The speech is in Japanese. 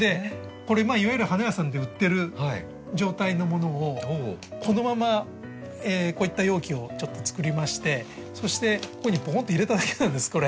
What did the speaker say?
これいわゆる花屋さんで売ってる状態のものをこのままこういった容器をちょっと作りましてそしてここにぽこんと入れただけなんですこれ。